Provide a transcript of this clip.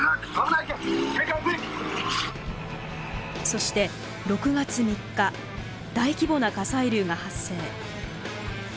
そして６月３日大規模な火砕流が発生。